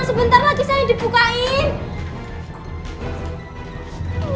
sebentar lagi saya dibukain